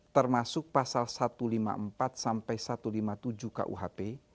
termasuk pasal satu ratus lima puluh empat sampai satu ratus lima puluh tujuh kuhp